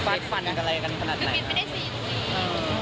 ใครจะฟังฟันกันอะไรกันขนาดไหน